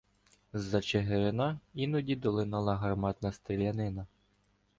З-за Чигирина іноді долинала гарматна стрілянина.